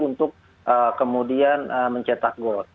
untuk kemudian mencetak gol